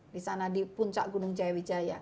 di sana di puncak gunung jaya wijaya